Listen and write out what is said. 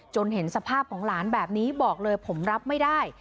เห็นสภาพของหลานแบบนี้บอกเลยผมรับไม่ได้